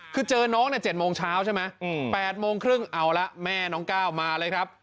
คือเจอน้อง๗โมงเช้าใช่ไหม๘โมงครึ่งเอาละแม่น้องก้าวมาเลยครับ